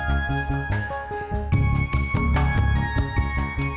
kamu mau nurakdir